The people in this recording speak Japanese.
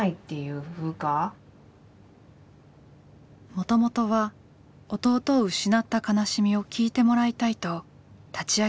もともとは弟を失った悲しみを聞いてもらいたいと立ち上げた場でした。